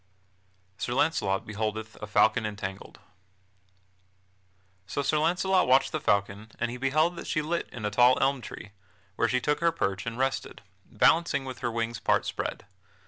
[Sidenote: Sir Launcelot beholdeth a falcon entangled] So Sir Launcelot watched the falcon, and he beheld that she lit in a tall elm tree, where she took her perch and rested, balancing with her wings part spread.